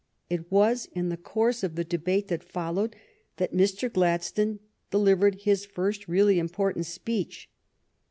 It was in the course of the debate that followed that Mr. Gladstone delivered his first really important speech.